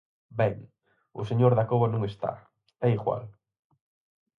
Ben, o señor Dacova non está, é igual.